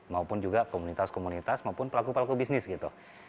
maupun juga komunitas komunitas maupun pelaku pelaku bisnis gitu